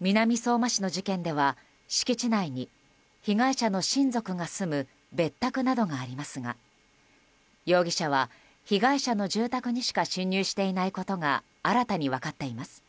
南相馬市の事件では敷地内に被害者の親族が住む別宅などがありますが容疑者は被害者の住宅にしか侵入していないことが新たに分かっています。